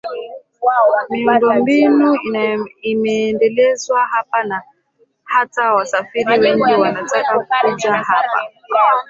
Miundombinu imeendelezwa hapa na hata wasafiri wengi wanataka kuja hapa